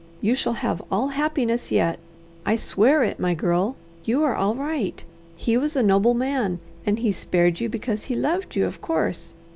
You shall have all happiness yet; I swear it, my girl! You are all right. He was a noble man, and he spared you because he loved you, of course.